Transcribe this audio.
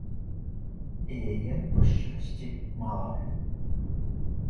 І яе, па шчырасці, мала.